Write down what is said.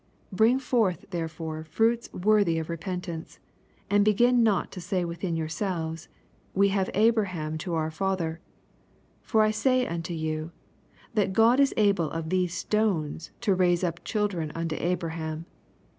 8 Bring forth therefore fruits wor thy of repentance, and benn not to say within yourselves, We have Abra ham to our father : for I eay unto you, That God is able of these stones to raise up children unto Abraham.